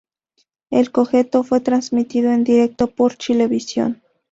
El cotejo fue transmitido en directo por Chilevisión.